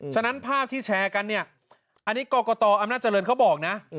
ฉะนั้นภาพที่แชร์กันเนี่ยอันนี้กรกตอำนาจเจริญเขาบอกนะ